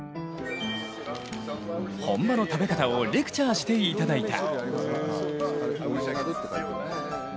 本場の食べ方をレクチャーしていただいた。